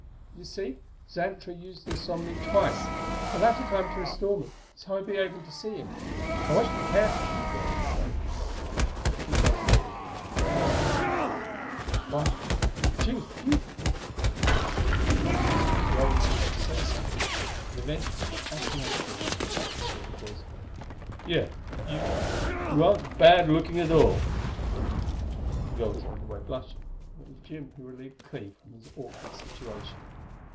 "You see, Xantra used this on me twice the latter time to restore me, so I would be able to see him. I watched him carefully," the girl explained. Clee gazed at Vivian in greatest confusion. Why she was beautiful! He grew conscious of a growing need to say something, and eventually the asinine thing that left his lips was: "Yes you you aren't bad looking at all." The girl turned away, blushing; and it was Jim who relieved Clee from his awkward situation.